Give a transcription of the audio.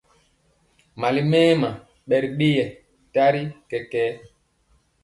Mali mɛma bɛ ri dɛyɛ tari kɛkɛɛ.